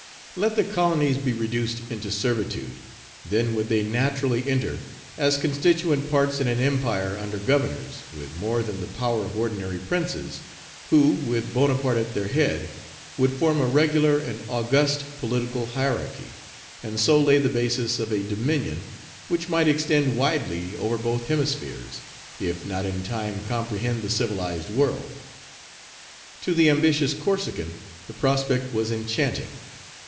Let the colonies be reduced into servitude; then would they naturally enter as constituent parts in an empire under governors with more than the power of ordinary princes, who, with Bonaparte at their head, would form a regular and august political hierarchy, and so lay the basis of a dominion which might extend widely over both hemispheres, if not in time comprehend the civilized world. To the ambitious Corsican the prospect was enchanting.